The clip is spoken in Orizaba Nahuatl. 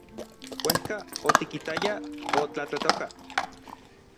Uejka otikitayaj otlatlatoka.